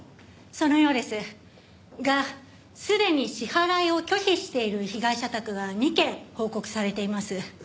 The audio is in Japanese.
そのようです。がすでに支払いを拒否している被害者宅が２軒報告されています。